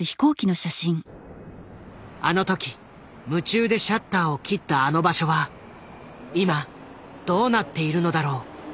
あの時夢中でシャッターを切ったあの場所は今どうなっているのだろう？